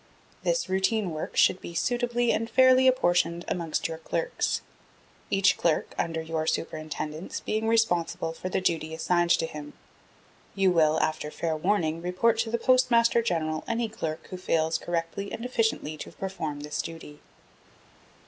This routine work should be suitably and fairly apportioned amongst your clerks each clerk (under your superintendence) being responsible for the duty assigned to him. You will, after fair warning, report to the Postmaster General any clerk who fails correctly and efficiently to perform this duty.